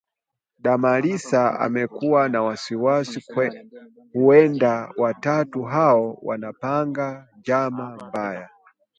Damaris amekuwa na wasiwasi huenda watatu hao wanapanga njama mbaya